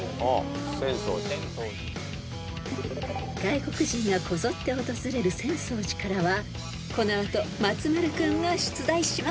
［外国人がこぞって訪れる浅草寺からはこの後松丸君が出題します］